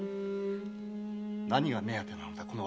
何が目当てなのだ